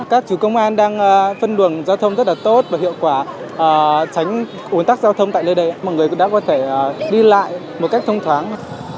các chú công an đang phân luồng giao thông rất là tốt và hiệu quả tránh ủn tắc giao thông tại nơi đây mọi người cũng đã có thể đi lại một cách thông thoáng